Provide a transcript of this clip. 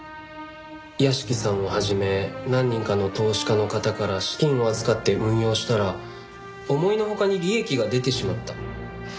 屋敷さんを始め何人かの投資家の方から資金を預かって運用したら思いのほかに利益が出てしまった。